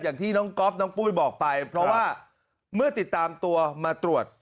อย่างที่น้องก๊อฟน้องปุ้ยบอกไปเพราะว่าเมื่อติดตามตัวมาตรวจ